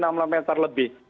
jadi hampir enam meter lebih